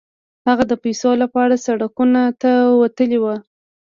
هغه د پيسو لپاره سړکونو ته وتلی و.